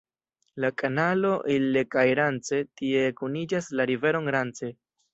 La kanalo Ille-kaj-Rance tie kuniĝas la riveron Rance.